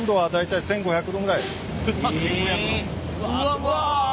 うわ！